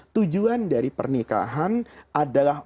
tujuan dari pernikahan adalah